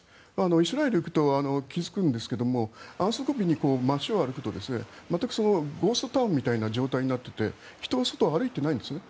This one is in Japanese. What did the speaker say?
イスラエルに行くと気付くんですが安息日に街を歩くとゴーストタウンみたいな状態になってて人が外を歩いていないんですね。